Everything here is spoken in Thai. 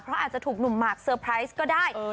เพราะอาจจะถูกหนุ่มหมากเซอร์ไพรส์ก็ได้